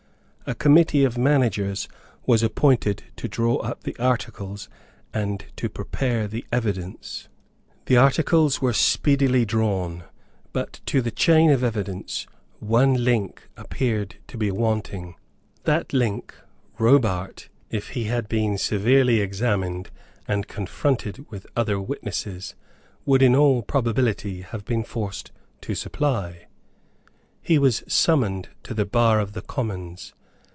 A committee of managers was appointed to draw up the articles and to prepare the evidence. The articles were speedily drawn; but to the chain of evidence one link appeared to be wanting. That link Robart, if he had been severely examined and confronted with other witnesses, would in all probability have been forced to supply. He was summoned to the bar of the Commons.